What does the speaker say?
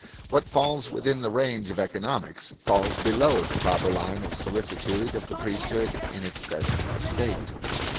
What falls within the range of economics falls below the proper level of solicitude of the priesthood in its best estate.